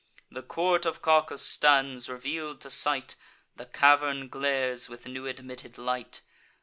The court of Cacus stands reveal'd to sight; The cavern glares with new admitted light.